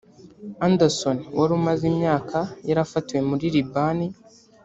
Anderson wari umaze imyaka yarafatiwe muri Liban